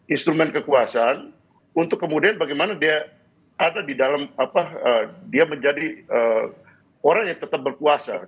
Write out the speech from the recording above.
instrumen kekuasaan untuk kemudian bagaimana dia ada di dalam apa dia menjadi orang yang tetap berkuasa